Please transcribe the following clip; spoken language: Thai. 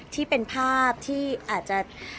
ที่เป็นภาพที่อาจจะ